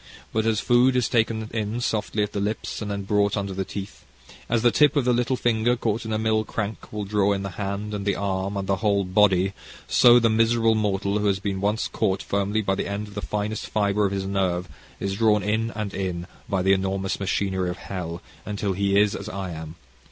But as food is taken in softly at the lips, and then brought under the teeth, as the tip of the little finger caught in a mill crank will draw in the hand, and the arm, and the whole body, so the miserable mortal who has been once caught firmly by the end of the finest fibre of his nerve, is drawn in and in, by the enormous machinery of hell, until he is as I am.